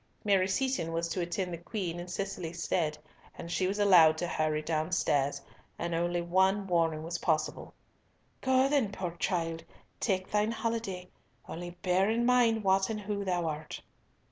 Mary Seaton was to attend the Queen in Cicely's stead, and she was allowed to hurry downstairs, and only one warning was possible: "Go then, poor child, take thine holiday, only bear in mind what and who thou art."